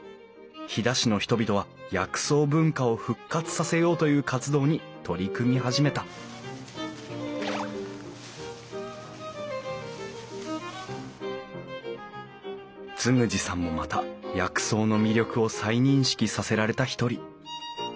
飛騨市の人々は薬草文化を復活させようという活動に取り組み始めた嗣二さんもまた薬草の魅力を再認識させられた一人。